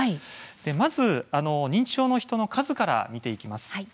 まず認知症の人の数から見ていきます。